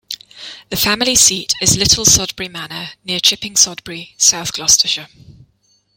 The family seat is Little Sodbury Manor, near Chipping Sodbury, South Gloucestershire.